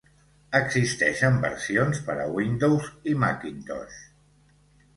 Existeixen versions per a Windows i Macintosh.